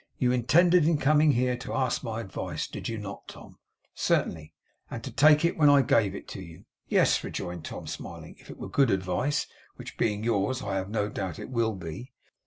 You intended, in coming here, to ask my advice, did you not, Tom?' 'Certainly.' 'And to take it when I gave it to you?' 'Yes,' rejoined Tom, smiling, 'if it were good advice, which, being yours, I have no doubt it will be.